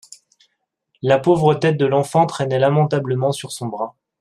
La pauvre tête de l'enfant traînait lamentablement sur son bras.